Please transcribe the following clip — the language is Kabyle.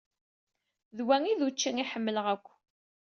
D wa ay d ucci ay ḥemmleɣ akk.